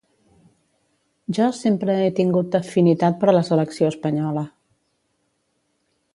Jo sempre he tingut afinitat per la selecció espanyola.